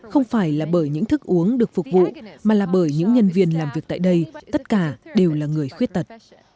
không phải là bởi những thức uống được phục vụ mà là bởi những nhân viên làm việc tại đây tất cả đều là người khuyết tật